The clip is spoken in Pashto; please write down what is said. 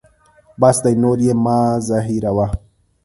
بس دی نور یې مه زهیروه.